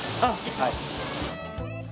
はい。